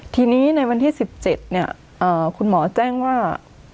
ทีนี้ในวันที่๑๗คุณหมอแจ้งว่า